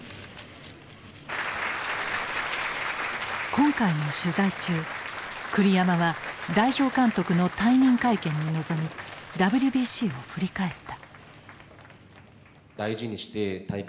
今回の取材中栗山は代表監督の退任会見に臨みＷＢＣを振り返った。